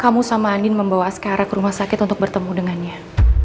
kamu sama andin membawa skara ke rumah sakit untuk bertemu dengannya